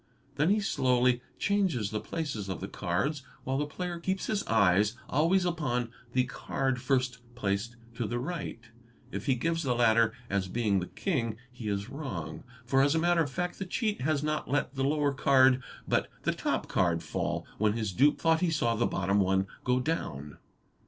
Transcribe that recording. Then he slowly changes the places of the three cards while the player keeps his eyes always upon the card first placed to the right. If he gives the latter as being the king he is wrong, for as.a matter of fact the cheat has not let the lower card but the top card fall when his dupe thought he saw the bottom one go down.